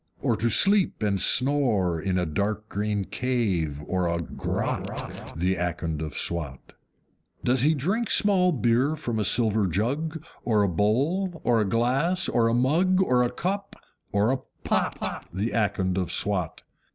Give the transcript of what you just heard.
Or to sleep and snore in a dark green cave, or a GROTT, The Akond of Swat? Does he drink small beer from a silver jug? Or a bowl? or a glass? or a cup? or a mug? or a POT, The Akond of Swat?